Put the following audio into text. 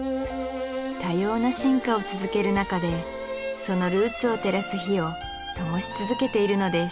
多様な進化を続ける中でそのルーツを照らす火をともし続けているのです